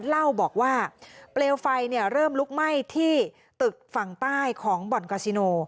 เล่าบอกว่าเปลวไฟเริ่มลุกไหม้ที่ตึกฝั่งใต้ของบ่อนกาซิโน